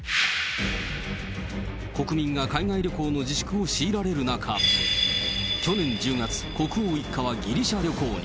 国民が海外旅行の自粛を強いられる中、去年１０月、国王一家はギリシャ旅行に。